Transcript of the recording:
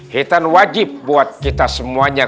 hutan wajib buat kita semuanya